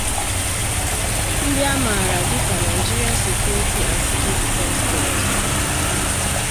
ndị a mààrà dịka 'Nigerian Security and Civil Defence Corps